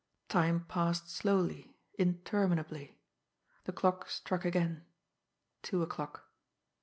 Time passed slowly, interminably. The clock struck again two o'clock.